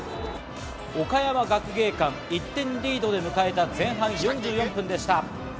岡山学芸館、１点リードで迎えた前半４４分でした。